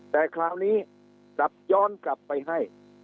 แต่คราวนี้กลับย้อนกลับไปให้